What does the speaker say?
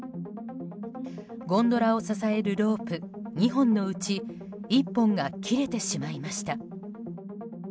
ゴンドラを支えるロープ２本のうち１本が切れてしまいました。